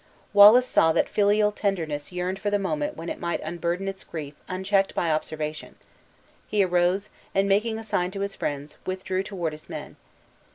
Wallace saw that filial tenderness yearned for the moment when it might unburden its grief unchecked by observation. He arose, and making a sign to his friends, withdrew toward his men.